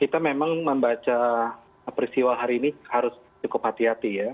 kita memang membaca peristiwa hari ini harus cukup hati hati ya